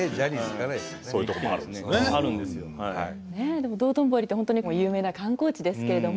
でも道頓堀って本当に有名な観光地ですけれども。